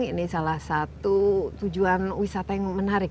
ini salah satu tujuan wisata yang menarik